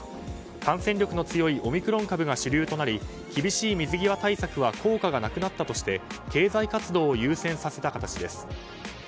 感染力の強いオミクロン株が主流となり厳しい水際対策は効果がなくなったとして経済活動を優先させた形です。